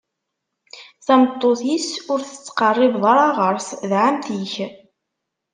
Tameṭṭut-is, ur tettqerribeḍ ara ɣur-s: D ɛemmti-k.